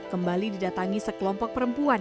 kembali didatangi sekelompok perempuan